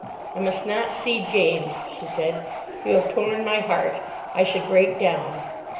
'I must not see James,' she said. 'You have torn my heart. I should break down.